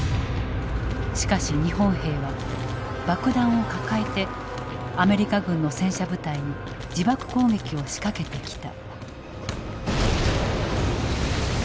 しかし日本兵は爆弾を抱えてアメリカ軍の戦車部隊に自爆攻撃を仕掛けてきた。